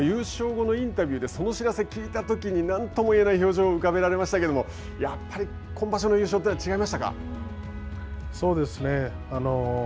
優勝後のインタビューでその知らせを聞いたとき何とも言えない表情をしましたけれどもやっぱり今場所の優勝は違いましたか。